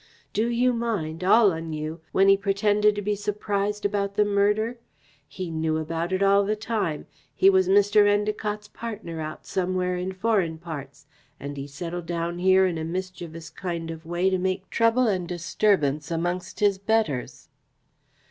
Do you mind all on you when he pretended to be surprised about the murder? He knew about it all the time. He was Mr. Endacott's partner out somewhere in foreign parts, and he settled down here in a mischievous kind of way to make trouble and disturbance amongst his betters."